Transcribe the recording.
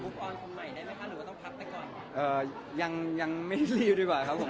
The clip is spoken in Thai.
ลูกออนมันใหม่ได้มั้ยครับหรือว่าต้องพักแต่ก่อน